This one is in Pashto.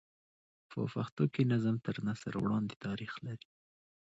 په پښتو کښي نظم تر نثر وړاندي تاریخ لري.